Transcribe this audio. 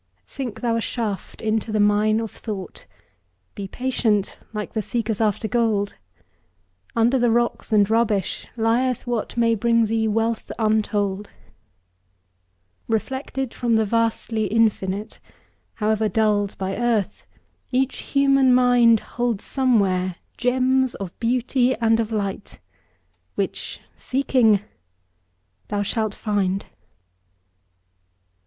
Sink thou a shaft into the mine of thought; Be patient, like the seekers after gold; Under the rocks and rubbish lieth what May bring thee wealth untold. Reflected from the vastly Infinite, However dulled by earth, each human mind Holds somewhere gems of beauty and of light Which, seeking, thou shalt find.